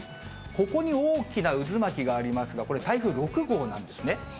ここに大きな渦巻きがありますが、これ、台風６号なんですね。